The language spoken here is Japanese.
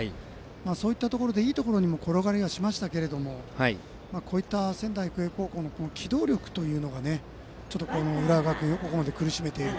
そういったところでいいところに転がりはしましたがこうした仙台育英高校の機動力が浦和学院をここまで苦しめている。